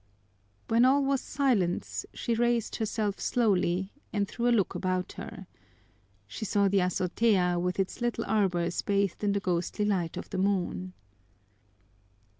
When all was silence she raised herself slowly and threw a look about her. She saw the azotea with its little arbors bathed in the ghostly light of the moon.